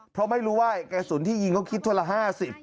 เพราะไม่รู้ว่าแก่ศูนย์ที่ยิงเขาคิดทั่วละ๕๐